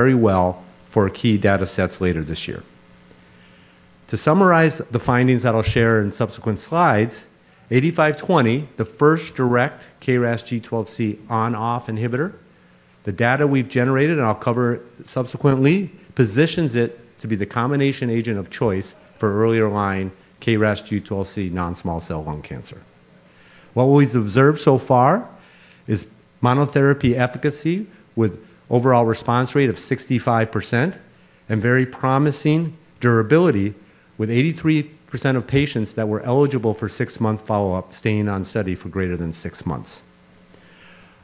Very well for key data sets later this year. To summarize the findings that I'll share in subsequent slides, 8520, the first direct KRAS G12C on-off inhibitor, the data we've generated, and I'll cover it subsequently, positions it to be the combination agent of choice for earlier line KRAS G12C non-small cell lung cancer. What we've observed so far is monotherapy efficacy with an overall response rate of 65% and very promising durability with 83% of patients that were eligible for six-month follow-up, staying on study for greater than six months.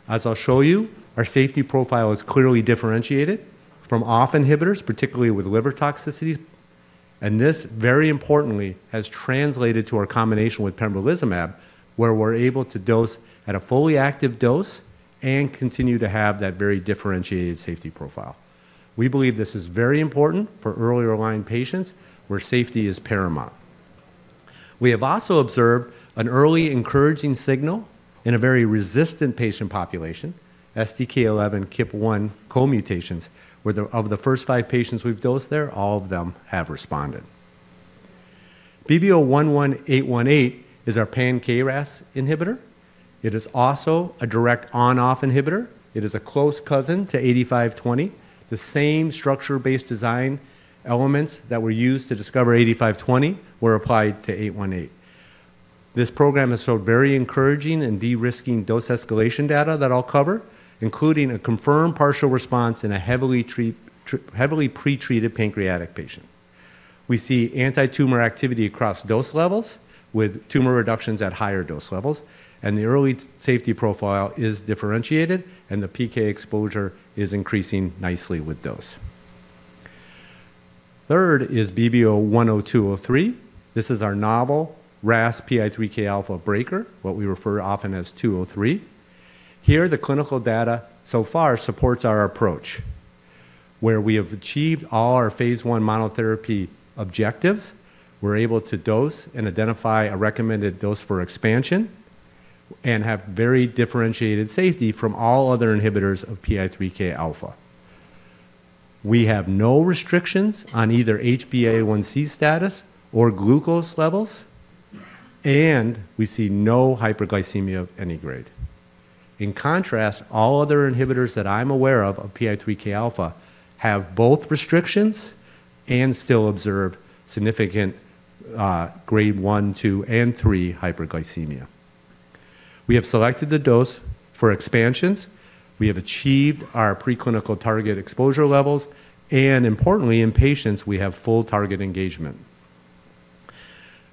As I'll show you, our safety profile is clearly differentiated from off inhibitors, particularly with liver toxicities, and this, very importantly, has translated to our combination with pembrolizumab, where we're able to dose at a fully active dose and continue to have that very differentiated safety profile. We believe this is very important for earlier line patients where safety is paramount. We have also observed an early encouraging signal in a very resistant patient population, STK11 KEAP1 co-mutations, where of the first five patients we've dosed there, all of them have responded. BBO-11818 is our pan-KRAS inhibitor. It is also a direct on-off inhibitor. It is a close cousin to 8520. The same structure-based design elements that were used to discover 8520 were applied to 818. This program has showed very encouraging and de-risking dose escalation data that I'll cover, including a confirmed partial response in a heavily pretreated pancreatic patient. We see anti-tumor activity across dose levels with tumor reductions at higher dose levels, and the early safety profile is differentiated, and the PK exposure is increasing nicely with dose. Third is BBO-10203. This is our novel RAS PI3K alpha breaker, what we refer to often as 203. Here, the clinical data so far supports our approach, where we have achieved all our phase one monotherapy objectives. We're able to dose and identify a recommended dose for expansion and have very differentiated safety from all other inhibitors of PI3K alpha. We have no restrictions on either HbA1c status or glucose levels, and we see no hyperglycemia of any grade. In contrast, all other inhibitors that I'm aware of PI3K alpha have both restrictions and still observe significant grade one, two, and three hyperglycemia. We have selected the dose for expansions. We have achieved our preclinical target exposure levels, and importantly, in patients, we have full target engagement.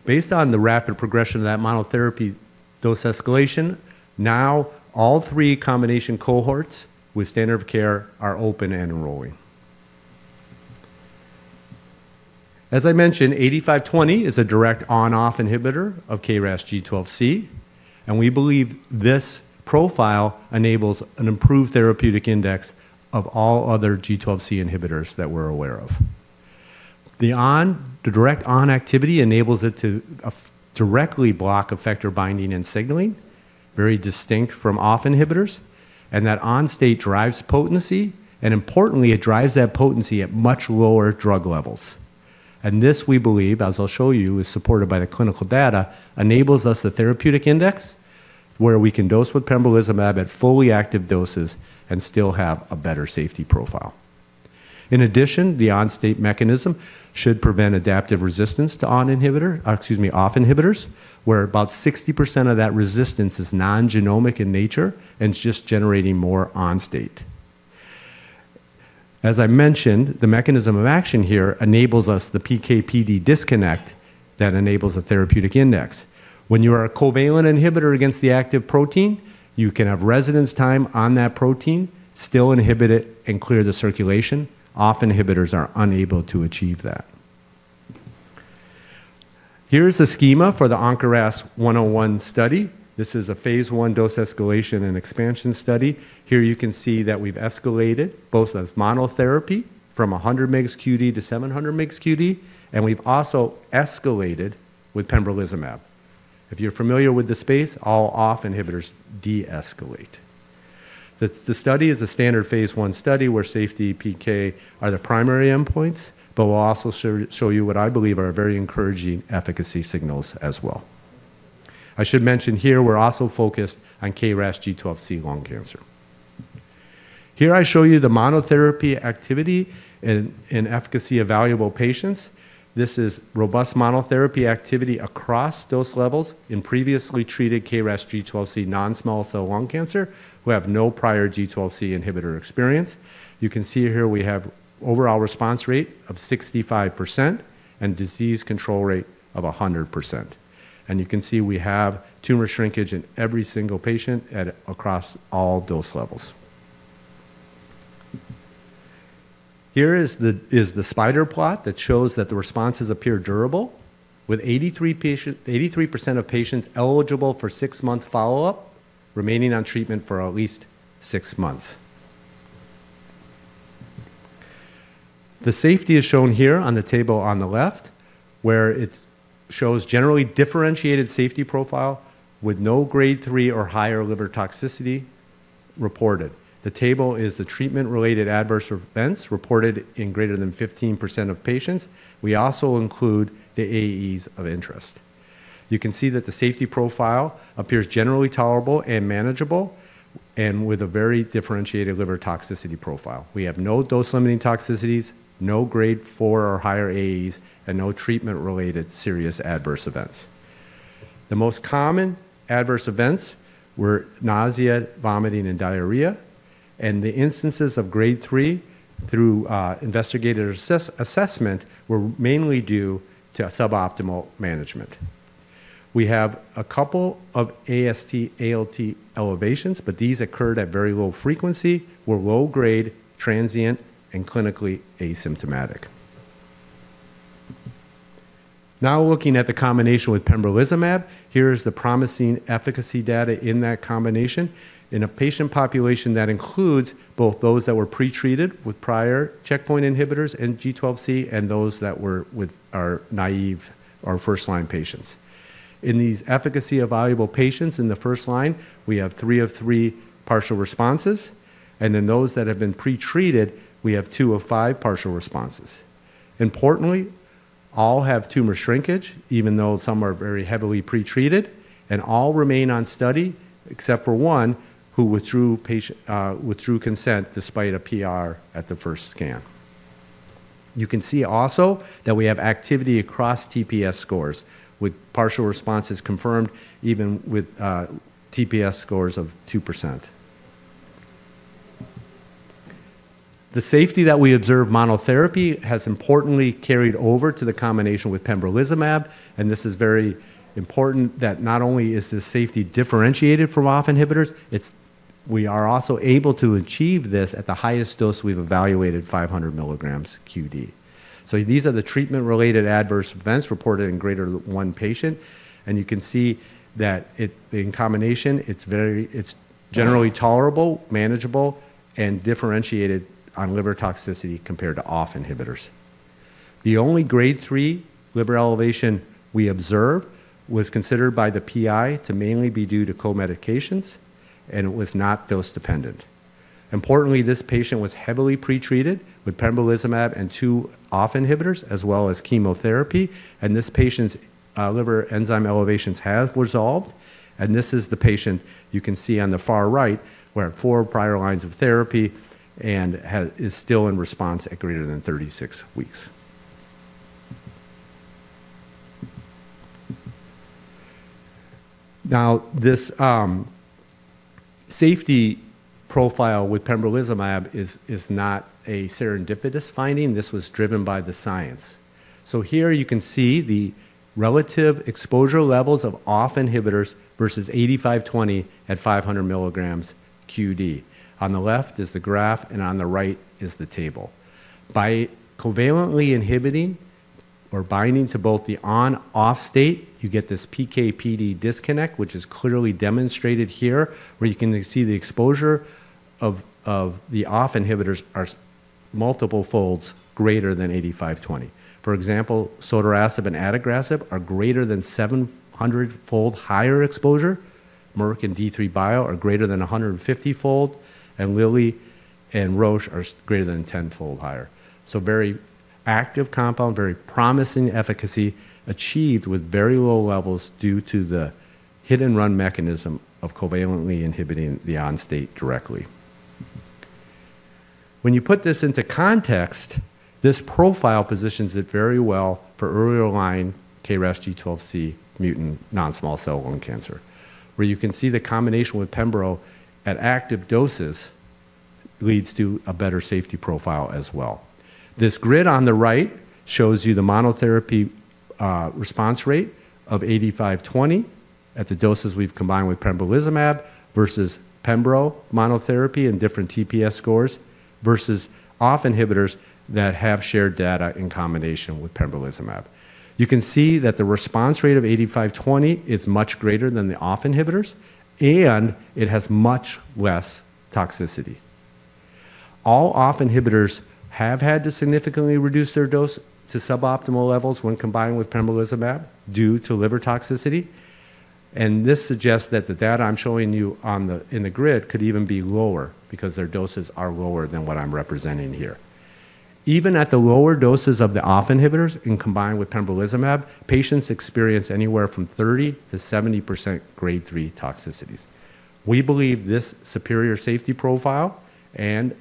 Based on the rapid progression of that monotherapy dose escalation, now all three combination cohorts with standard of care are open and enrolling. As I mentioned, 8520 is a direct on-off inhibitor of KRAS G12C, and we believe this profile enables an improved therapeutic index of all other G12C inhibitors that we're aware of. The direct on activity enables it to directly block effector binding and signaling, very distinct from off inhibitors, and that on state drives potency, and importantly, it drives that potency at much lower drug levels, and this, we believe, as I'll show you, is supported by the clinical data, enables us the therapeutic index where we can dose with pembrolizumab at fully active doses and still have a better safety profile. In addition, the on state mechanism should prevent adaptive resistance to on inhibitor, excuse me, off inhibitors, where about 60% of that resistance is non-genomic in nature and just generating more on state. As I mentioned, the mechanism of action here enables us the PK/PD disconnect that enables a therapeutic index. When you are a covalent inhibitor against the active protein, you can have residence time on that protein, still inhibit it and clear the circulation. Off inhibitors are unable to achieve that. Here's the schema for the ONKORAS-101 study. This is a phase 1 dose escalation and expansion study. Here you can see that we've escalated both of monotherapy from 100 mg QD to 700 mg QD, and we've also escalated with pembrolizumab. If you're familiar with the space, all off inhibitors de-escalate. The study is a standard phase 1 study where safety PK are the primary endpoints, but we'll also show you what I believe are very encouraging efficacy signals as well. I should mention here, we're also focused on KRAS G12C lung cancer. Here I show you the monotherapy activity and efficacy of evaluable patients. This is robust monotherapy activity across dose levels in previously treated KRAS G12C non-small cell lung cancer who have no prior G12C inhibitor experience. You can see here we have overall response rate of 65% and disease control rate of 100%, and you can see we have tumor shrinkage in every single patient across all dose levels. Here is the spider plot that shows that the responses appear durable with 83% of patients eligible for six-month follow-up remaining on treatment for at least six months. The safety is shown here on the table on the left, where it shows generally differentiated safety profile with no grade three or higher liver toxicity reported. The table is the treatment-related adverse events reported in greater than 15% of patients. We also include the AEs of interest. You can see that the safety profile appears generally tolerable and manageable and with a very differentiated liver toxicity profile. We have no dose-limiting toxicities, no grade four or higher AEs, and no treatment-related serious adverse events. The most common adverse events were nausea, vomiting, and diarrhea, and the instances of grade three through investigator assessment were mainly due to suboptimal management. We have a couple of AST/ALT elevations, but these occurred at very low frequency, were low grade, transient, and clinically asymptomatic. Now looking at the combination with pembrolizumab, here is the promising efficacy data in that combination in a patient population that includes both those that were pretreated with prior checkpoint inhibitors and G12C and those that were IO-naive, our first line patients. In these efficacy-evaluable patients in the first-line, we have three of three partial responses, and in those that have been pretreated, we have two of five partial responses. Importantly, all have tumor shrinkage, even though some are very heavily pretreated, and all remain on study except for one who withdrew consent despite a PR at the first scan. You can see also that we have activity across TPS scores with partial responses confirmed even with TPS scores of 2%. The safety that we observe in monotherapy has importantly carried over to the combination with pembrolizumab, and this is very important that not only is the safety differentiated from off inhibitors, we are also able to achieve this at the highest dose we've evaluated, 500 mg QD. These are the treatment-related adverse events reported in greater than one patient, and you can see that in combination, it's generally tolerable, manageable, and differentiated on liver toxicity compared to off inhibitors. The only grade three liver elevation we observed was considered by the PI to mainly be due to co-medications, and it was not dose-dependent. Importantly, this patient was heavily pretreated with pembrolizumab and two off inhibitors as well as chemotherapy, and this patient's liver enzyme elevations have resolved, and this is the patient you can see on the far right where four prior lines of therapy and is still in response at greater than 36 weeks. Now, this safety profile with pembrolizumab is not a serendipitous finding. This was driven by the science. So here you can see the relative exposure levels of off inhibitors versus 8520 at 500 mg QD. On the left is the graph, and on the right is the table. By covalently inhibiting or binding to both the on-off state, you get this PK/PD disconnect, which is clearly demonstrated here, where you can see the exposure of the off inhibitors are multiple folds greater than 8520. For example, sotorasib and adagrasib are greater than 700-fold higher exposure. Merck and D3 Bio are greater than 150-fold, and Lilly and Roche are greater than 10-fold higher. So very active compound, very promising efficacy achieved with very low levels due to the hit-and-run mechanism of covalently inhibiting the on state directly. When you put this into context, this profile positions it very well for earlier line KRAS G12C mutant non-small cell lung cancer, where you can see the combination with pembro at active doses leads to a better safety profile as well. This grid on the right shows you the monotherapy response rate of 8520 at the doses we've combined with pembrolizumab versus pembro monotherapy and different TPS scores versus off inhibitors that have shared data in combination with pembrolizumab. You can see that the response rate of 8520 is much greater than the off inhibitors, and it has much less toxicity. All off inhibitors have had to significantly reduce their dose to suboptimal levels when combined with pembrolizumab due to liver toxicity, and this suggests that the data I'm showing you in the grid could even be lower because their doses are lower than what I'm representing here. Even at the lower doses of the off inhibitors and combined with pembrolizumab, patients experience anywhere from 30%-70% grade three toxicities. We believe this superior safety profile and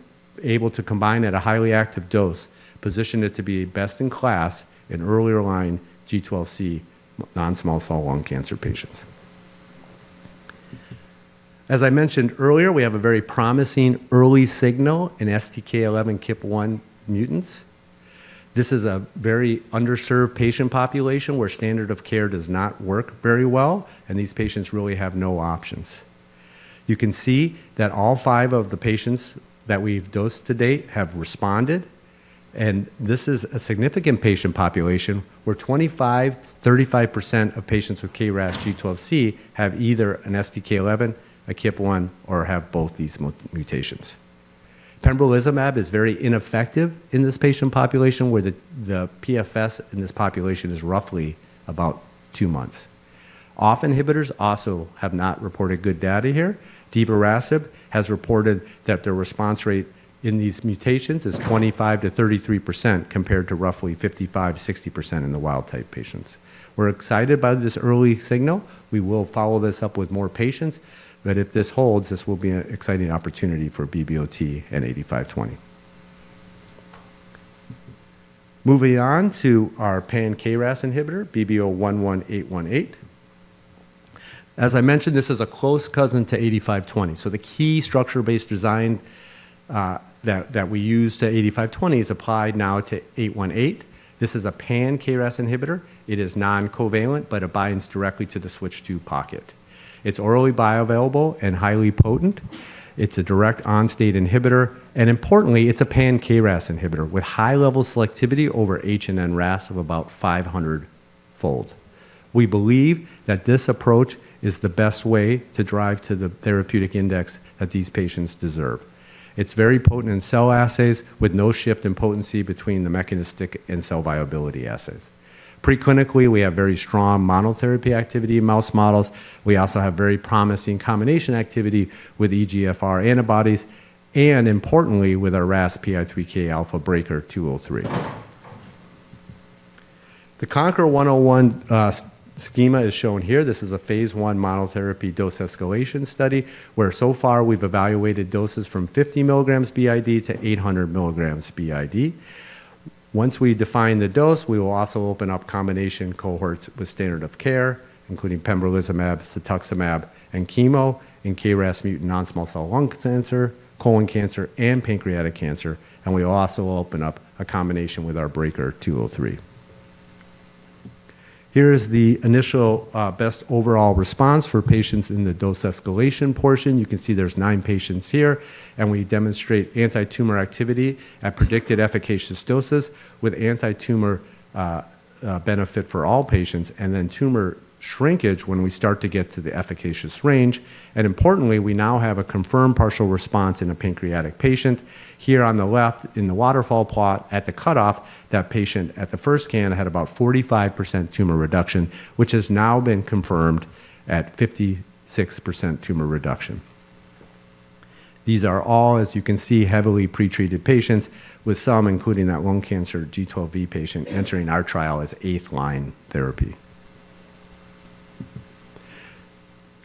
able to combine at a highly active dose positioned it to be best in class in earlier line G12C non-small cell lung cancer patients. As I mentioned earlier, we have a very promising early signal in STK11 KEAP1 mutants. This is a very underserved patient population where standard of care does not work very well, and these patients really have no options. You can see that all five of the patients that we've dosed to date have responded, and this is a significant patient population where 25%-35% of patients with KRAS G12C have either an STK11, a KEAP1, or have both these mutations. Pembrolizumab is very ineffective in this patient population where the PFS in this population is roughly about two months. Off inhibitors also have not reported good data here. Divarasib has reported that the response rate in these mutations is 25%-33% compared to roughly 55%-60% in the wild-type patients. We're excited by this early signal. We will follow this up with more patients, but if this holds, this will be an exciting opportunity for BBOT and 8520. Moving on to our pan-KRAS inhibitor, BBO-11818. As I mentioned, this is a close cousin to 8520. So the key structure-based design that we use to 8520 is applied now to 818. This is a pan-KRAS inhibitor. It is non-covalent, but it binds directly to the switch-II pocket. It's orally bioavailable and highly potent. It's a direct on state inhibitor, and importantly, it's a pan-KRAS inhibitor with high-level selectivity over HRAS and NRAS of about 500-fold. We believe that this approach is the best way to drive to the therapeutic index that these patients deserve. It's very potent in cell assays with no shift in potency between the mechanistic and cell viability assays. Preclinically, we have very strong monotherapy activity in mouse models. We also have very promising combination activity with EGFR antibodies and, importantly, with our RAS PI3K alpha breaker 203. The KONQUER-101 schema is shown here. This is a phase 1 monotherapy dose escalation study where so far we've evaluated doses from 50 mg BID to 800 mg BID Once we define the dose, we will also open up combination cohorts with standard of care, including pembrolizumab, cetuximab, and chemo in KRAS mutant non-small cell lung cancer, colon cancer, and pancreatic cancer, and we will also open up a combination with our breaker 203. Here is the initial best overall response for patients in the dose escalation portion. You can see there's nine patients here, and we demonstrate anti-tumor activity at predicted efficacious doses with anti-tumor benefit for all patients and then tumor shrinkage when we start to get to the efficacious range. And importantly, we now have a confirmed partial response in a pancreatic patient. Here on the left in the waterfall plot at the cutoff, that patient at the first scan had about 45% tumor reduction, which has now been confirmed at 56% tumor reduction. These are all, as you can see, heavily pretreated patients with some, including that lung cancer G12V patient entering our trial as eighth line therapy.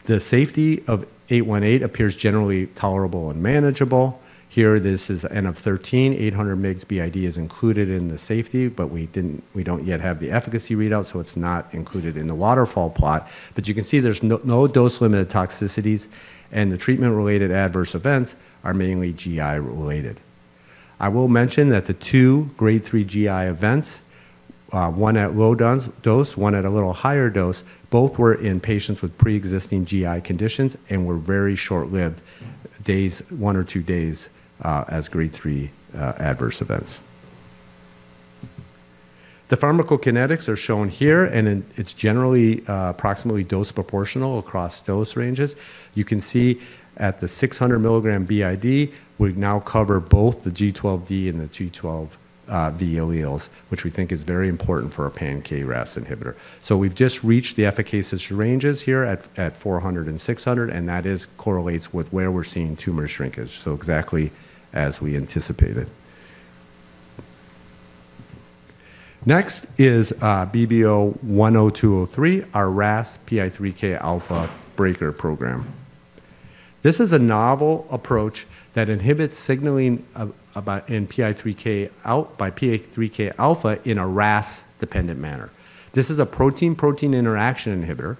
The safety of 818 appears generally tolerable and manageable. Here, this is N of 13, 800 mg BID is included in the safety, but we don't yet have the efficacy readout, so it's not included in the waterfall plot. You can see there's no dose-limiting toxicities, and the treatment-related adverse events are mainly GI-related. I will mention that the two grade three GI events, one at low dose, one at a little higher dose, both were in patients with pre-existing GI conditions and were very short-lived, one or two days as grade three adverse events. The pharmacokinetics are shown here, and it's generally approximately dose proportional across dose ranges. You can see at the 600 mg BID, we now cover both the G12D and the G12V alleles, which we think is very important for a pan-KRAS inhibitor. So we've just reached the efficacious ranges here at 400 and 600, and that correlates with where we're seeing tumor shrinkage, so exactly as we anticipated. Next is BBO-10203, our RAS PI3K alpha breaker program. This is a novel approach that inhibits signaling in PI3K alpha in a RAS-dependent manner. This is a protein-protein interaction inhibitor.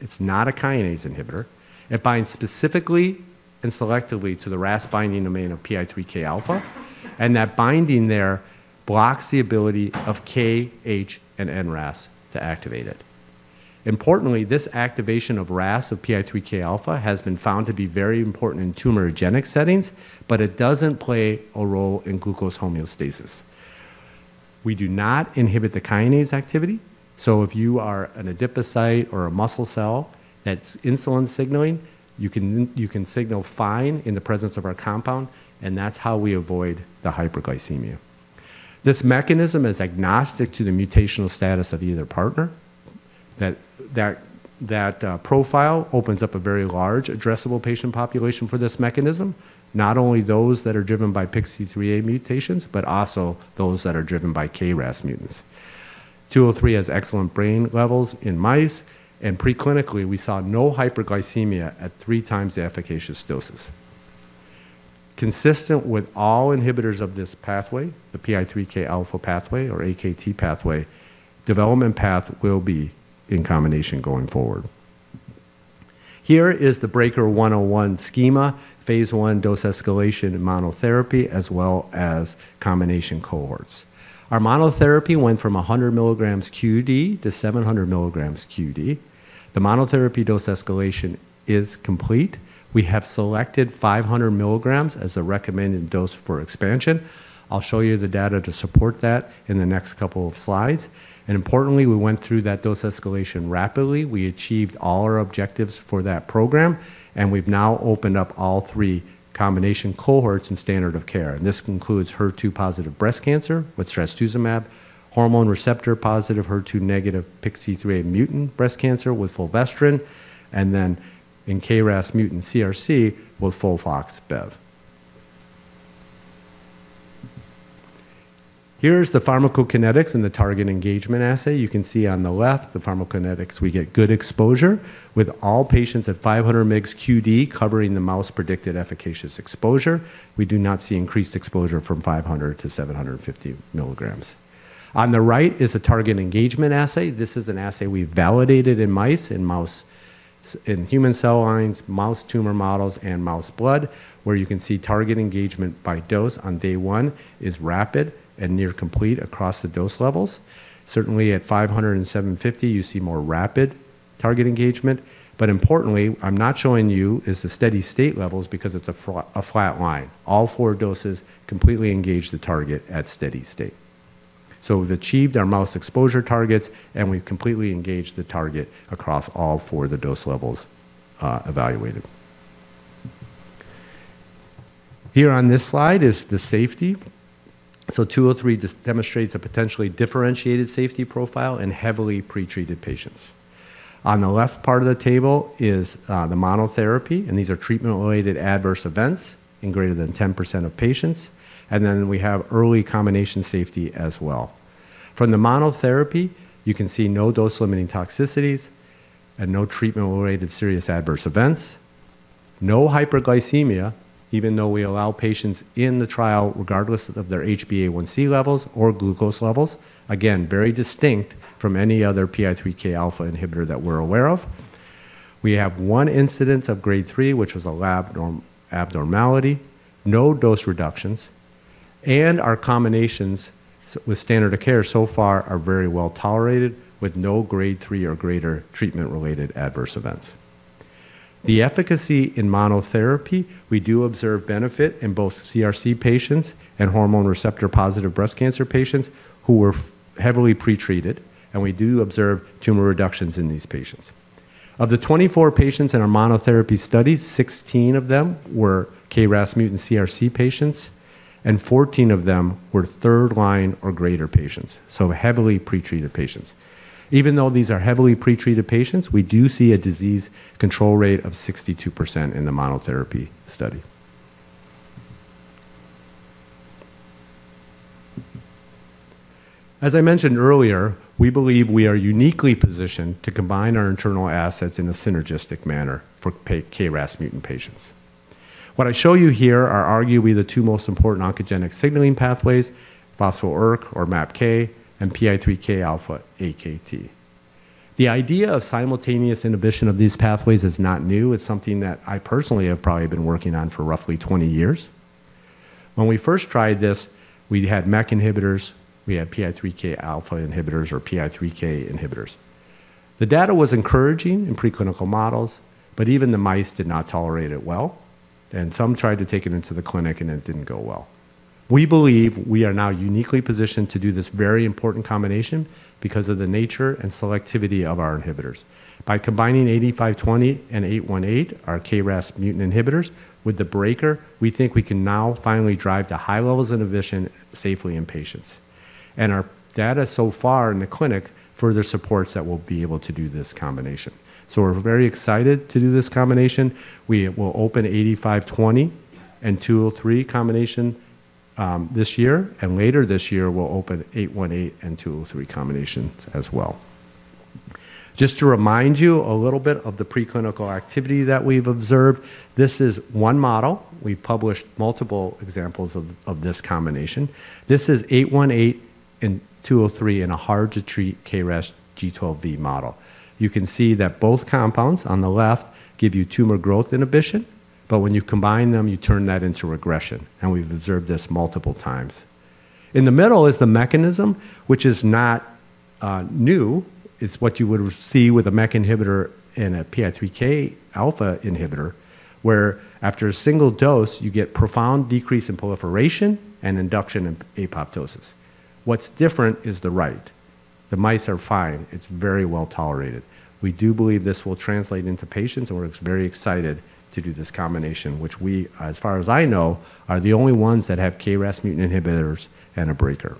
It's not a kinase inhibitor. It binds specifically and selectively to the RAS binding domain of PI3K alpha, and that binding there blocks the ability of K, H, and NRAS to activate it. Importantly, this activation of RAS of PI3K alpha has been found to be very important in tumorigenic settings, but it doesn't play a role in glucose homeostasis. We do not inhibit the kinase activity, so if you are an adipocyte or a muscle cell that's insulin signaling, you can signal fine in the presence of our compound, and that's how we avoid the hyperglycemia. This mechanism is agnostic to the mutational status of either partner. That profile opens up a very large addressable patient population for this mechanism, not only those that are driven by PIK3CA mutations, but also those that are driven by KRAS mutants. 203 has excellent brain levels in mice, and preclinically, we saw no hyperglycemia at three times the efficacious doses. Consistent with all inhibitors of this pathway, the PI3K alpha pathway or AKT pathway, development path will be in combination going forward. Here is the BREAKER-101 schema, phase 1 dose escalation and monotherapy, as well as combination cohorts. Our monotherapy went from 100 mg QD to 700 mg QD. The monotherapy dose escalation is complete. We have selected 500 mg as the recommended dose for expansion. I'll show you the data to support that in the next couple of slides, and importantly, we went through that dose escalation rapidly. We achieved all our objectives for that program, and we've now opened up all three combination cohorts in standard of care. This includes HER2-positive breast cancer with trastuzumab, hormone receptor-positive HER2-negative PIK3CA mutant breast cancer with fulvestrant, and then in KRAS mutant CRC with FOLFOX/BEV. Here is the pharmacokinetics and the target engagement assay. You can see on the left the pharmacokinetics. We get good exposure with all patients at 500 mg QD covering the mouse predicted efficacious exposure. We do not see increased exposure from 500 mg to 750 mg. On the right is a target engagement assay. This is an assay we validated in mice, in human cell lines, mouse tumor models, and mouse blood, where you can see target engagement by dose on day one is rapid and near complete across the dose levels. Certainly, at 500 mg and 750 mg, you see more rapid target engagement. Importantly, I'm not showing you is the steady state levels because it's a flat line. All four doses completely engage the target at steady state. So we've achieved our mouse exposure targets, and we've completely engaged the target across all four of the dose levels evaluated. Here on this slide is the safety. So 203 demonstrates a potentially differentiated safety profile in heavily pretreated patients. On the left part of the table is the monotherapy, and these are treatment-related adverse events in greater than 10% of patients. And then we have early combination safety as well. From the monotherapy, you can see no dose-limiting toxicities and no treatment-related serious adverse events, no hyperglycemia, even though we allow patients in the trial regardless of their HbA1c levels or glucose levels. Again, very distinct from any other PI3K alpha inhibitor that we're aware of. We have one incidence of grade three, which was an abnormality, no dose reductions, and our combinations with standard of care so far are very well tolerated with no grade three or greater treatment-related adverse events. The efficacy in monotherapy, we do observe benefit in both CRC patients and hormone receptor-positive breast cancer patients who were heavily pretreated, and we do observe tumor reductions in these patients. Of the 24 patients in our monotherapy study, 16 of them were KRAS mutant CRC patients, and 14 of them were third line or greater patients, so heavily pretreated patients. Even though these are heavily pretreated patients, we do see a disease control rate of 62% in the monotherapy study. As I mentioned earlier, we believe we are uniquely positioned to combine our internal assets in a synergistic manner for KRAS mutant patients. What I show you here are arguably the two most important oncogenic signaling pathways, PI3K or MAPK, and PI3K alpha AKT. The idea of simultaneous inhibition of these pathways is not new. It's something that I personally have probably been working on for roughly 20 years. When we first tried this, we had MAPK inhibitors, we had PI3K alpha inhibitors or PI3K inhibitors. The data was encouraging in preclinical models, but even the mice did not tolerate it well, and some tried to take it into the clinic, and it didn't go well. We believe we are now uniquely positioned to do this very important combination because of the nature and selectivity of our inhibitors. By combining 8520 and 818, our KRAS mutant inhibitors, with the breaker, we think we can now finally drive the high levels of inhibition safely in patients. Our data so far in the clinic further supports that we'll be able to do this combination. We're very excited to do this combination. We will open 8520 and 203 combination this year, and later this year, we'll open 818 and 203 combinations as well. Just to remind you a little bit of the preclinical activity that we've observed, this is one model. We published multiple examples of this combination. This is 818 and 203 in a hard-to-treat KRAS G12V model. You can see that both compounds on the left give you tumor growth inhibition, but when you combine them, you turn that into regression, and we've observed this multiple times. In the middle is the mechanism, which is not new. It's what you would see with a MAPK inhibitor and a PI3K alpha inhibitor, where after a single dose, you get profound decrease in proliferation and induction in apoptosis. What's different is that's right. The mice are fine. It's very well tolerated. We do believe this will translate into patients, and we're very excited to do this combination, which we, as far as I know, are the only ones that have KRAS mutant inhibitors and a breaker.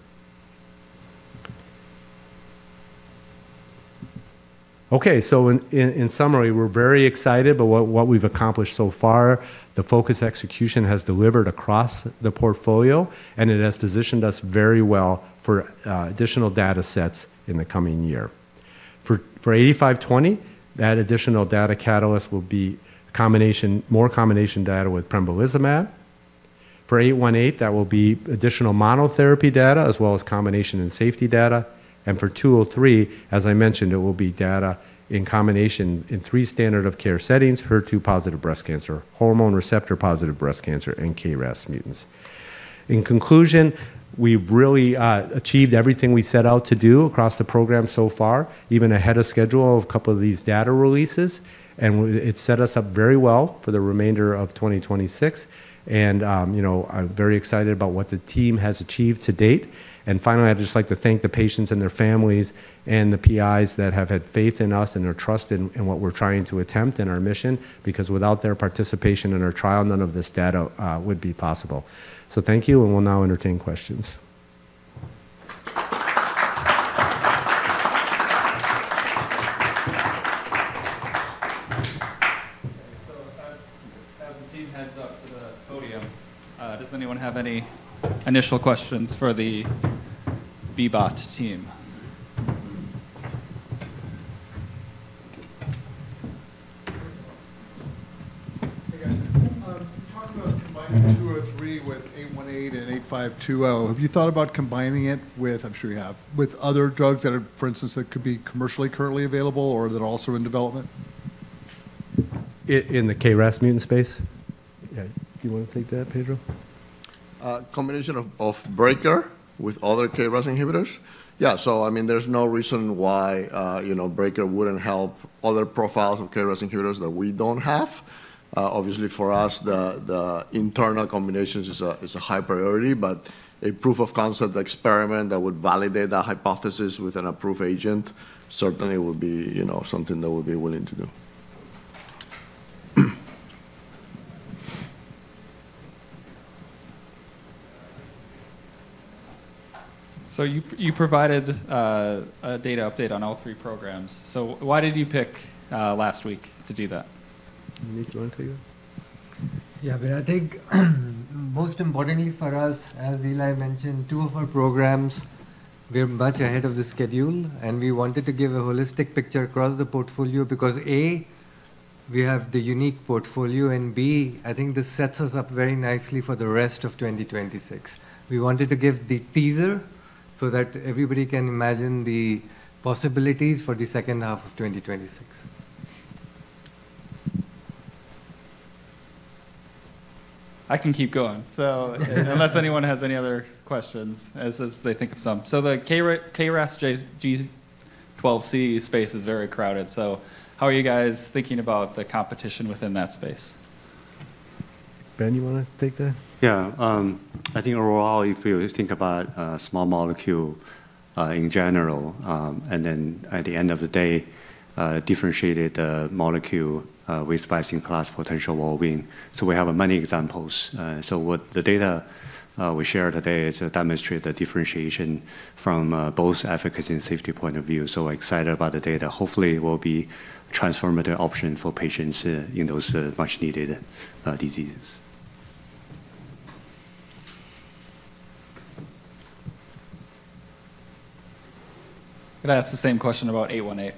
Okay, so in summary, we're very excited about what we've accomplished so far. The focused execution has delivered across the portfolio, and it has positioned us very well for additional data sets in the coming year. For 8520, that additional data catalyst will be more combination data with pembrolizumab. For 818, that will be additional monotherapy data as well as combination and safety data. For 203, as I mentioned, it will be data in combination in three standard of care settings: HER2-positive breast cancer, hormone receptor-positive breast cancer, and KRAS mutants. In conclusion, we've really achieved everything we set out to do across the program so far, even ahead of schedule of a couple of these data releases, and it set us up very well for the remainder of 2026. I'm very excited about what the team has achieved to date. Finally, I'd just like to thank the patients and their families and the PIs that have had faith in us and their trust in what we're trying to attempt in our mission, because without their participation in our trial, none of this data would be possible. So thank you, and we'll now entertain questions. So as the team heads up to the podium, does anyone have any initial questions for the BBOT team? Hey guys, can you talk about combining 203 with 818 and 8520? Have you thought about combining it with, I'm sure you have, with other drugs that are, for instance, that could be commercially currently available or that are also in development? In the KRAS mutant space? Yeah, do you want to take that, Pedro? Combination of BREAKER with other KRAS inhibitors? Yeah, so I mean, there's no reason why BREAKER wouldn't help other profiles of KRAS inhibitors that we don't have. Obviously, for us, the internal combinations is a high priority, but a proof of concept experiment that would validate that hypothesis with an approved agent certainly would be something that we'd be willing to do. So you provided a data update on all three programs. So why did you pick last week to do that? Yeah, I mean, I think most importantly for us, as Eli mentioned, two of our programs, we're much ahead of the schedule, and we wanted to give a holistic picture across the portfolio because, A, we have the unique portfolio, and B, I think this sets us up very nicely for the rest of 2026. We wanted to give the teaser so that everybody can imagine the possibilities for the second half of 2026. I can keep going, so unless anyone has any other questions, as they think of some. So the KRAS G12C space is very crowded, so how are you guys thinking about the competition within that space? Ben, you want to take that? Yeah, I think overall, if you think about small molecule in general, and then at the end of the day, differentiated molecule with best-in-class potential. So we have many examples. So the data we share today demonstrates the differentiation from both efficacy and safety point of view. So excited about the data. Hopefully, it will be a transformative option for patients in those much-needed diseases. Can I ask the same question about 818?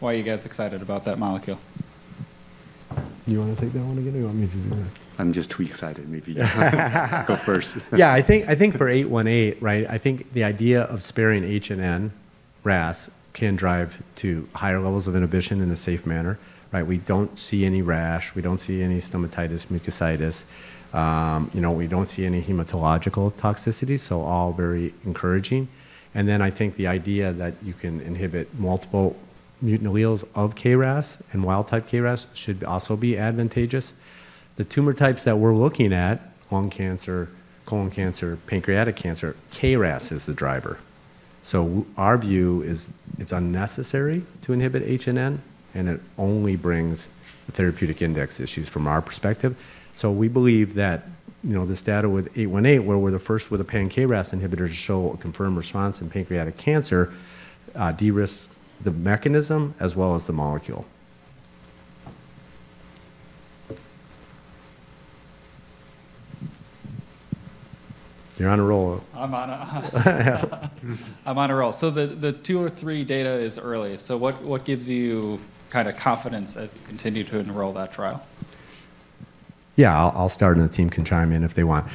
Why are you guys excited about that molecule? Do you want to take that one again, or do you want me to do that? I'm just too excited. Maybe go first. Yeah, I think for 818, right, I think the idea of sparing HRAS and NRAS can drive to higher levels of inhibition in a safe manner, right? We don't see any rash. We don't see any stomatitis, mucositis. We don't see any hematological toxicity, so all very encouraging, and then I think the idea that you can inhibit multiple mutant alleles of KRAS and wild-type KRAS should also be advantageous. The tumor types that we're looking at, lung cancer, colon cancer, pancreatic cancer, KRAS is the driver, so our view is it's unnecessary to inhibit H&N, and it only brings therapeutic index issues from our perspective, so we believe that this data with 818, where we're the first with a pan-KRAS inhibitor to show a confirmed response in pancreatic cancer, de-risked the mechanism as well as the molecule. You're on a roll. I'm on a roll. So the 203 data is early. So what gives you kind of confidence that you continue to enroll that trial? Yeah, I'll start, and the team can chime in if they want.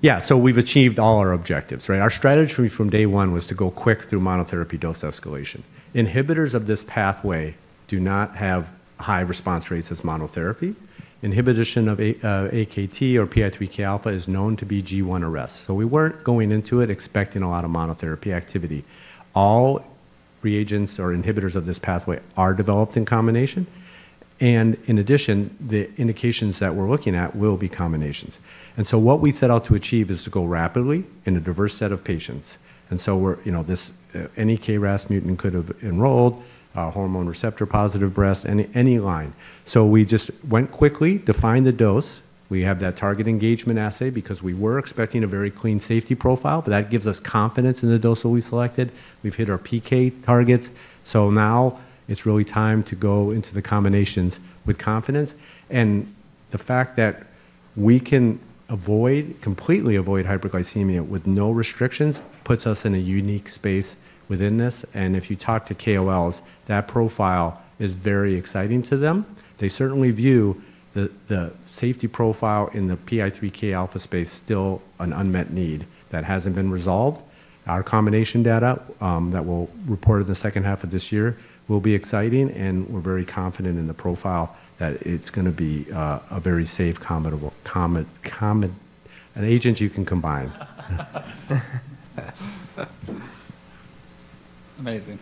Yeah, so we've achieved all our objectives, right? Our strategy from day one was to go quick through monotherapy dose escalation. Inhibitors of this pathway do not have high response rates as monotherapy. Inhibition of AKT or PI3K alpha is known to be G1 arrest. So we weren't going into it expecting a lot of monotherapy activity. All reagents or inhibitors of this pathway are developed in combination, and in addition, the indications that we're looking at will be combinations, and so what we set out to achieve is to go rapidly in a diverse set of patients, and so any KRAS mutant could have enrolled, hormone receptor-positive breast, any line. So we just went quickly, defined the dose. We have that target engagement assay because we were expecting a very clean safety profile, but that gives us confidence in the dose that we selected. We've hit our PK targets. So now it's really time to go into the combinations with confidence. And the fact that we can completely avoid hyperglycemia with no restrictions puts us in a unique space within this. And if you talk to KOLs, that profile is very exciting to them. They certainly view the safety profile in the PI3K alpha space still an unmet need that hasn't been resolved. Our combination data that we'll report in the second half of this year will be exciting, and we're very confident in the profile that it's going to be a very safe, an agent you can combine. Amazing.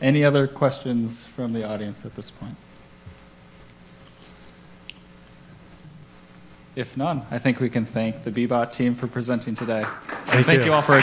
Any other questions from the audience at this point? If none, I think we can thank the BBOT team for presenting today. Thank you. Thank you all.